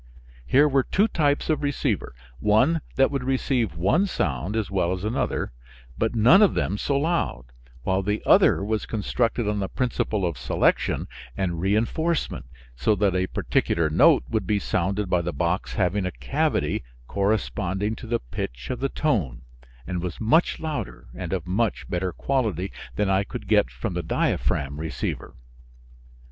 Here were two types of receiver, one that would receive one sound as well as another, but none of them so loud, while the other was constructed on the principle of selection and re enforcement, so that a particular note would be sounded by the box having a cavity corresponding to the pitch of the tone, and was much louder and of much better quality than I could get from the diaphragm receiver.